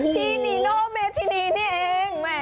พี่นีโนเมธินีนี่เอง